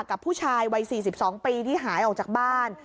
กับผู้ชายวัย๔๒ปีที่หายออกจากบ้าน